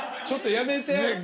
ちょっとやめて。